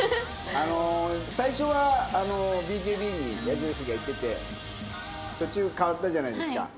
最初はＢＫＢに矢印がいってて途中変わったじゃないですか。